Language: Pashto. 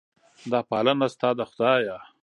دا پالنه ستا ده خدایه.